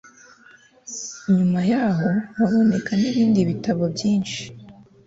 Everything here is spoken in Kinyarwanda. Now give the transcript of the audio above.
nyuma yaho haboneka n ibindi bitabo byinshi